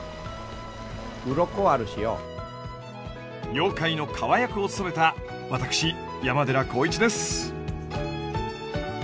妖怪のカワ役を務めた私山寺宏一です。